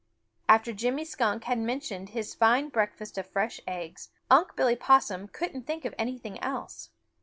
After Jimmy Skunk had mentioned his fine breakfast of fresh eggs, Unc' Billy Possum couldn't think of anything else.